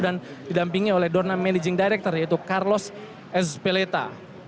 dan didampingi oleh dorna managing director yaitu carlos ezpeleta